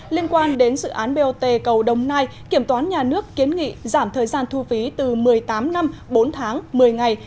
liên quan đến dự án bot cầu đồng nai kiểm toán nhà nước kiến nghị giảm thời gian thu phí từ một mươi tám năm bốn tháng một mươi ngày